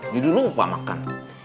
jadi lu lupa makan